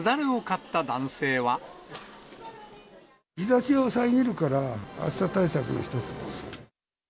日ざしを遮るから、暑さ対策の一つですよね。